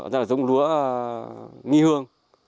giống lúa nghi hương